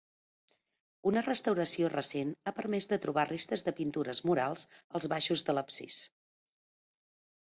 Una restauració recent ha permès de trobar restes de pintures murals als baixos de l'absis.